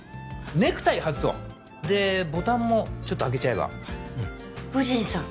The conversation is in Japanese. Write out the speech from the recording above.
ネクタイ外そうでボタンもちょっと開けちゃえば祐鎮さん